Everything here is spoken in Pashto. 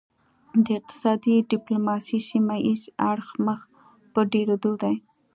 د اقتصادي ډیپلوماسي سیمه ایز اړخ مخ په ډیریدو دی